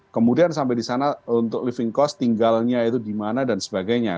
kemudian sampai di sana untuk living cost tinggalnya itu di mana dan sebagainya